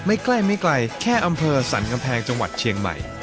ไม่ใกล้แค่อัมเภอสารกำแพงจังหวัดเชียงใหม่